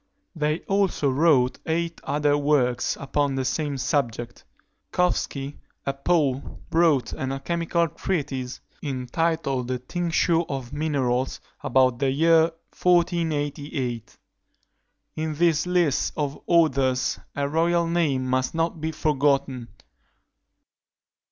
They also wrote eight other works upon the same subject. Koffstky, a Pole, wrote an alchymical treatise, entitled The Tincture of Minerals, about the year 1488. In this list of authors a royal name must not be forgotten.